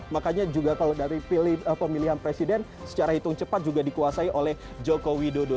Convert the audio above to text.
makanya juga kalau dari pemilihan presiden secara hitung cepat juga dikuasai oleh joko widodo